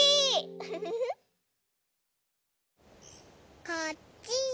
ウフフ。こっちよ。